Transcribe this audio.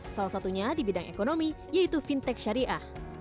salah satunya di bidang ekonomi yaitu fintech syariah